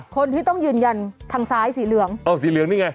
คนที่ต้องยืนยันทางซ้ายสีเหลืองอ๋อสีเหลืองนี่ไง